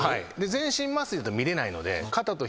全身麻酔だと見れないので。